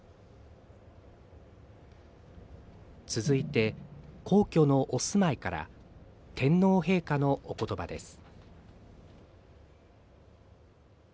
続いて、皇居のお住まいから天皇陛下のおことばです。